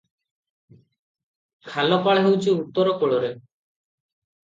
ଖାଲପାଳ ହେଉଛି ଉତ୍ତର କୂଳରେ ।